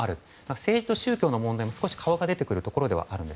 政治と宗教の問題の顔が出てくるところでもあります。